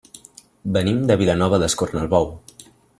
Venim de Vilanova d'Escornalbou.